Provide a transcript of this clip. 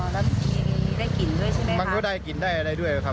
แล้วบางทีได้กลิ่นด้วยใช่ไหมมันก็ได้กลิ่นได้อะไรด้วยครับ